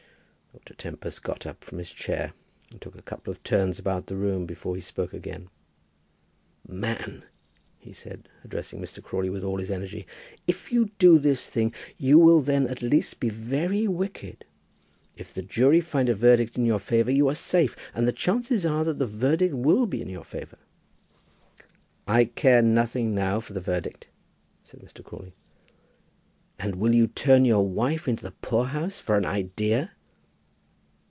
Dr. Tempest got up from his chair, and took a couple of turns about the room before he spoke again. "Man," he said, addressing Mr. Crawley with all his energy, "if you do this thing, you will then at least be very wicked. If the jury find a verdict in your favour you are safe, and the chances are that the verdict will be in your favour." "I care nothing now for the verdict," said Mr. Crawley. "And you will turn your wife into the poorhouse for an idea!"